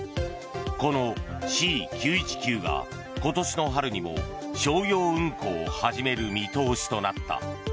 このＣ９１９が今年の春にも商業運航を始める見通しとなった。